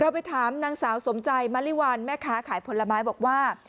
ไปถามนางสาวสมใจมะลิวัลแม่ค้าขายผลไม้บอกว่า